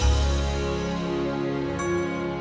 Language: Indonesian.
mas ini dia mas